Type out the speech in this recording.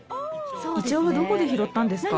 イチョウはどこで拾ったんですか？